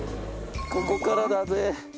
ここからだぜ。